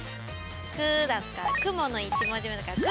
「く」だったら雲の１文字目だから「く」。